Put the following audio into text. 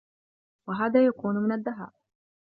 وَهَذَا يَكُونُ مِنْ الدَّهَاءِ